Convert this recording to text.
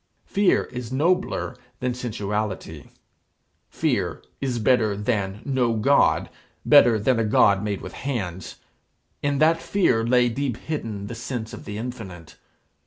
Fear is nobler than sensuality. Fear is better than no God, better than a god made with hands. In that fear lay deep hidden the sense of the infinite.